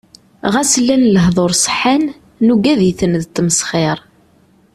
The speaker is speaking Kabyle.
Ɣas llan lehdur ṣeḥḥan, nuggad-iten d ttmesxir.